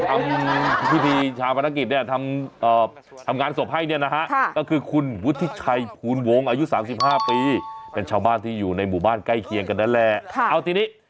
สำหรับผู้ที่มีรายได้น้อยแล้วก็ถือบัตรสวัสดีการแห่งรัฐ